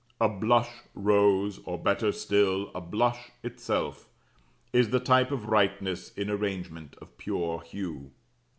A blush rose (or, better still, a blush itself), is the type of rightness in arrangement of pure hue.